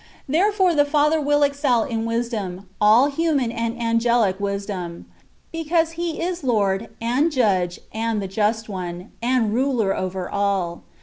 Therefore the Father will excel in wisdom all human and angelic wisdom, because He is Lord, and Judge, and the Just One, and Ruler over all.